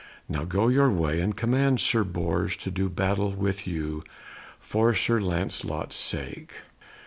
Now go your way, and command Sir Bors to do battle with you for Sir Lancelot's sake."